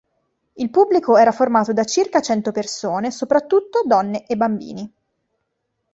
Il pubblico era formato da circa cento persone, soprattutto donne e bambini.